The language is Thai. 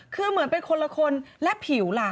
คือเหมือนเป็นคนละคนและผิวล่ะ